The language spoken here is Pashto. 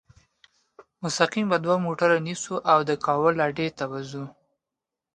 مستقیم به دوه موټره نیسو او د کابل اډې ته به ځو.